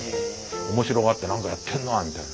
面白がって何かやってるなみたいな。